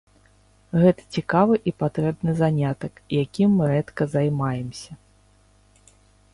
Гэта цікавы і патрэбны занятак, якім мы рэдка займаемся.